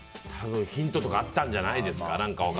ヒントとかあったんじゃないですか。